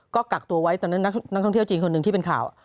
ก็กักตัวไว้ตอนนั้นนักท่องเที่ยวจีนคนหนึ่งที่เป็นข่าว